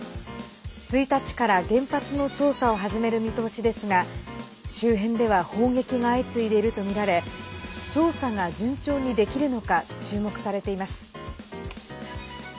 １日から原発の調査を始める見通しですが周辺では砲撃が相次いでいるとみられ調査が順調にできるのか注目されています。